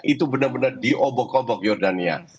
itu benar benar diobok obok jordania